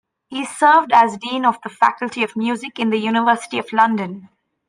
He served as Dean of the Faculty of Music in the University of London.